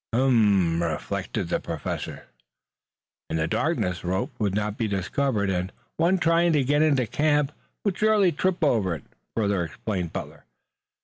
"Hm m m m!" reflected the Professor. "In the darkness the rope would not be discovered, and one trying to get into camp would surely trip over it," further explained Butler.